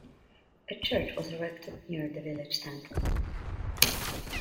A church was erected near the village temple.